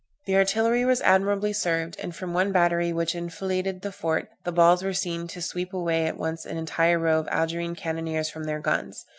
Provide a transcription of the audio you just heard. The artillery was admirably served, and from one battery which enfiladed the fort, the balls were seen to sweep away at once an entire row of Algerine cannoneers from their guns.